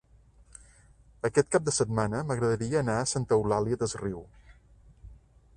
Aquest cap de setmana m'agradaria anar a Santa Eulària des Riu.